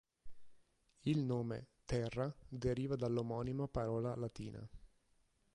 Il nome "Terra" deriva dell'omonima parola latina.